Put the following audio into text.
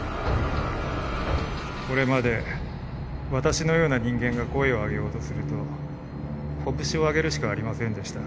これまで私のような人間が声を上げようとすると拳を上げるしかありませんでした。